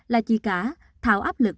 là chị cả thảo áp lực